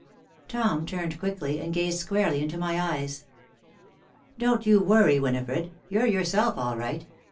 Tom turned quickly and gazed squarely into my eyes. "Don't you worry, Winifred. You're yourself, all right.